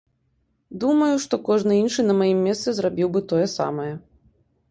Думаю, што кожны іншы на маім месцы зрабіў бы тое самае.